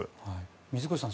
水越さん